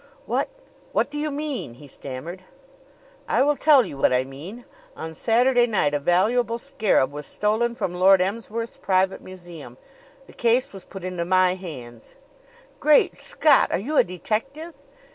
"What what do you mean?" he stammered. "I will tell you what I mean. On Saturday night a valuable scarab was stolen from Lord Emsworth's private museum. The case was put into my hands " "Great Scott! Are you a detective?"